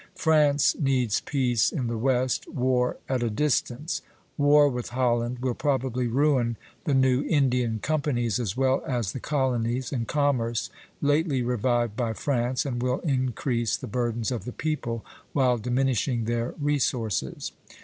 France needs peace in the west, war at a distance. War with Holland will probably ruin the new Indian companies as well as the colonies and commerce lately revived by France, and will increase the burdens of the people while diminishing their resources.